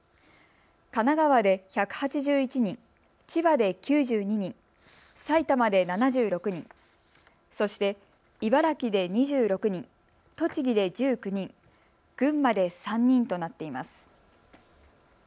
神奈川で１８１人、千葉で９２人、埼玉で７６人、そして茨城で２６人、栃木で１９人、群馬で３人となっています。